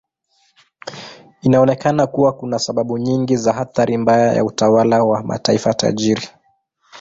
Inaonekana kuwa kuna sababu nyingi za athari mbaya ya utawala wa mataifa tajiri.